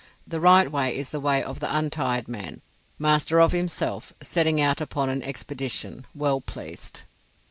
The right way is the way of the untired man, master of himself, setting out upon an expedition, well pleased.